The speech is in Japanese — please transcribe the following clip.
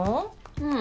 うん。